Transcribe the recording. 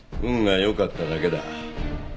運が良かっただけだ。